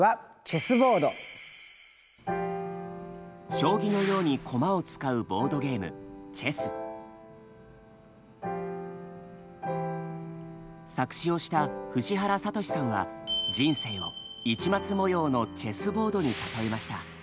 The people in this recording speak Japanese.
将棋のように駒を使うボードゲーム作詞をした藤原聡さんは人生を市松模様のチェスボードに例えました。